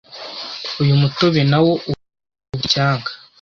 Uyu mutobe nawo uba ufite icyanga.